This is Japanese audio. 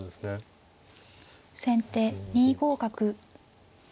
先手２五角。